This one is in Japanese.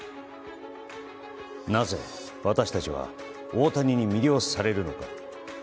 なぜ私たちは大谷に魅了されるのか。